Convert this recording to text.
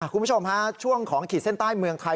คุณผู้ชมฮะช่วงของขีดเส้นใต้เมืองไทย